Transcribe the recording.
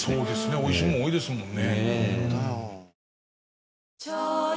おいしいもの多いですもんね。